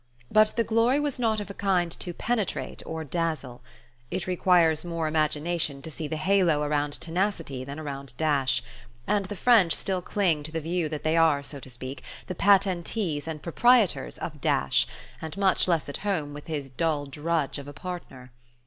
But the glory was not of a kind to penetrate or dazzle. It requires more imagination to see the halo around tenacity than around dash; and the French still cling to the view that they are, so to speak, the patentees and proprietors of dash, and much less at home with his dull drudge of a partner.